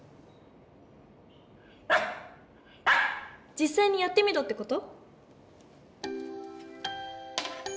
じっさいにやってみろってこと？